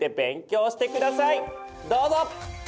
どうぞ！